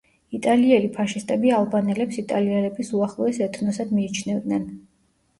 იტალიელი ფაშისტები ალბანელებს იტალიელების უახლოეს ეთნოსად მიიჩნევდნენ.